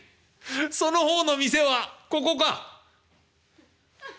そのほうの店はここか？」。